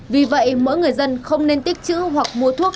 vì vậy mỗi người dân không nên tích chữ hoặc mua thuốc